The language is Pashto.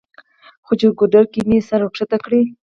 خو چې ګودر کښې مې سر ورښکته کړو